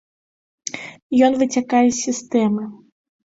Ён выцякае з сістэмы.